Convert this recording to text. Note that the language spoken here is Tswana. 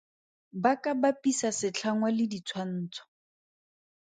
Ba ka bapisa setlhangwa le ditshwantsho.